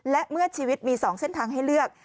และเมื่อชีวิตมี๒เส้นทางให้เลือก